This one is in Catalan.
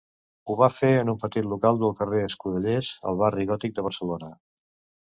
Ho va fer en un petit local del carrer Escudellers, al Barri Gòtic de Barcelona.